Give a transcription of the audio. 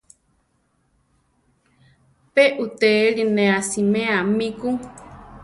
Pe uʼtéli ne asiméa mi ku.